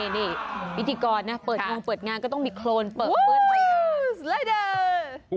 นี่พิธีกรเปิดโมงเปิดงานก็ต้องมีโครนเปิดไว้นะ